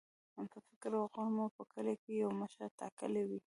په فکر او غور مو په کلي کې یو مشر ټاکلی وي.